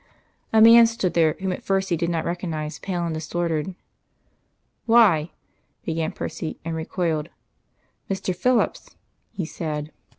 A man stood there, whom at first he did not recognise, pale and disordered. "Why " began Percy, and recoiled. "Mr. Phillips!" he said.